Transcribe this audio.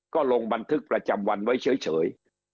ก็ลงบันทึกประจำวันไว้เฉย